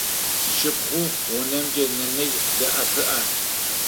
Сшыпхъу унэмкӏэ нэнэжъ дэӏэпыӏэ.